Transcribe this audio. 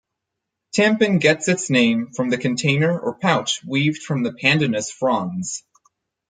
Tampin gets its name from the container or pouch weaved from the pandanus fronds.